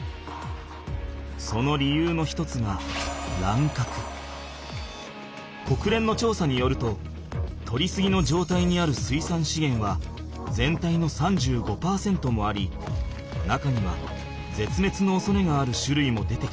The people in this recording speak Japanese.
その理由の一つがこくれんのちょうさによるととりすぎの状態にある水産資源は全体の３５％もあり中にはぜつめつのおそれがあるしゅるいも出てきている。